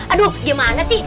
aduh gimana sih